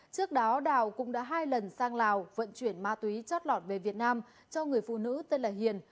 trước đó đào cũng đã hai lần sang lào vận chuyển ma túy chót lọt về việt nam cho người phụ nữ tên là hiền